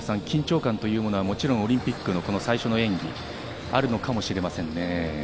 緊張感はもちろんオリンピックのこの最初の演技、あるのかもしれませんね。